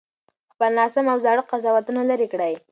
خپل ناسم او زاړه قضاوتونه لرې کړئ.